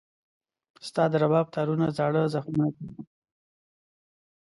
ستا د رباب تارونه زاړه زخمونه چېړي.